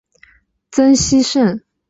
曾希圣是邓小平与卓琳结婚的介绍人。